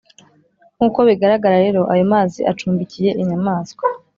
nk’uko bigaragara rero ayo mazi acumbikiye inyamaswa